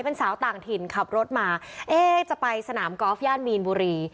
เป็นสาวต่างถิ่นขับรถมาเอ๊ะจะไปสนามกอล์ฟย่านมีนบุรี